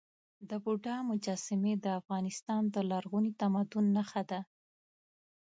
د بودا مجسمې د افغانستان د لرغوني تمدن نښه ده.